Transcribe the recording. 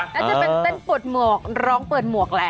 อาจจะเป็นเปิดหมวกร้องเปิดหมวกแหละ